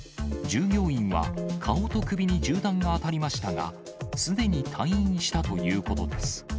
従業員は、顔と首に銃弾が当たりましたが、すでに退院したということです。